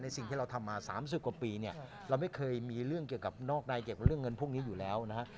สิ่งที่เราทำมา๓๐กว่าปีเนี่ยเราไม่เคยมีเรื่องเกี่ยวกับนอกใดเกี่ยวกับเรื่องเงินพวกนี้อยู่แล้วนะฮะ